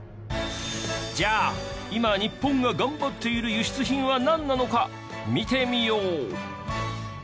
じゃあ今日本が頑張っている輸出品はなんなのか見てみよう。